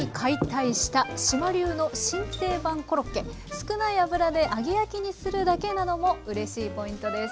少ない油で揚げ焼きにするだけなのもうれしいポイントです。